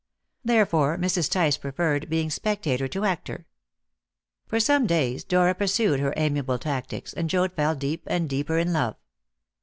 Therefore Mrs. Tice preferred being spectator to actor. For some days Dora pursued her amiable tactics, and Joad fell deep and deeper in love.